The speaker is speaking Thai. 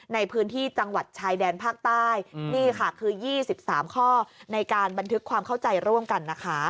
ในพื้นที่จังหวัดชายแดนภาคใต้นี่ค่ะคือ๒๓ข้อในการบันทึกความเข้าใจร่วมกันนะคะ